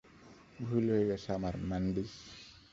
ভুল হয়ে গেছে আমার, ম্যান্ডি।